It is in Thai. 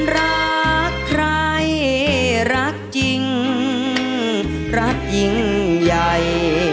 รักใครรักจริงรักยิ่งใหญ่